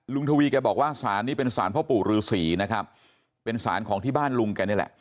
ทวีแกบอกว่าสารนี้เป็นสารพ่อปู่ฤษีนะครับเป็นสารของที่บ้านลุงแกนี่แหละ